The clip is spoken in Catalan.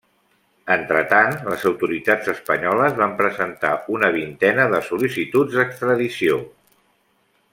Entretant, les autoritats espanyoles van presentar una vintena de sol·licituds d'extradició.